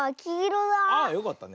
あっよかったね。